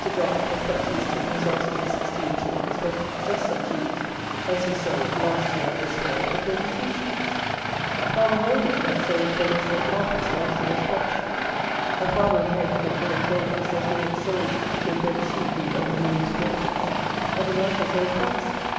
Jolliff, of Crux Easton, was asking 16_s._ for just such ewes as he sold, last year (at this fair) for 32_s._ Farmer Holdway had sold "for less than half" his last year's price. A farmer that I did not know, told us, that he had sold to a great sheep dealer of the name of Smallpiece at the latter's own price!